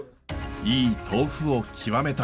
いい豆腐を極めたい。